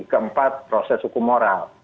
keempat proses hukum moral